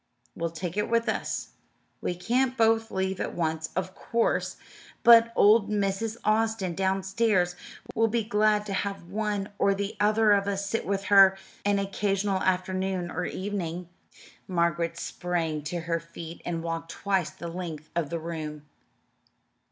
"We'll take it with us. We can't both leave at once, of course, but old Mrs. Austin, downstairs, will be glad to have one or the other of us sit with her an occasional afternoon or evening." Margaret sprang to her feet and walked twice the length of the room.